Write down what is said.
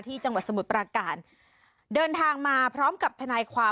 จังหวัดสมุทรปราการเดินทางมาพร้อมกับทนายความ